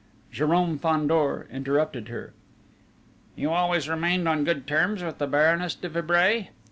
Jérôme Fandor interrupted her: "You always remained on good terms with the Baroness de Vibray?"